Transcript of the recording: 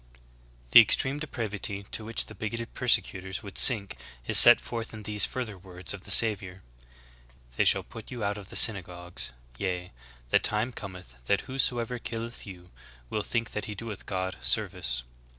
"^ 11. The extreme of depravity to which the bigoted per secutors w^ould sink is set forth in these further words of the Savior: "They shall put you out of the synagogues: yea, the time cometh, that whosoever killeth you will think that he doeth God service.